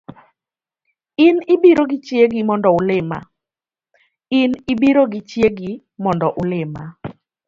In ibiro gi chiegi mondo ulima